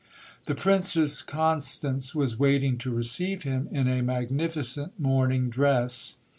The Princess Constance was waiting to receive him, in a magnificent mourning dress.